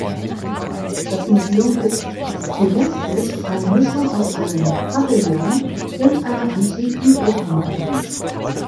Das Museum ist stilistisch eine Mischung aus einem Pavillon und einer antiken Opernbühne.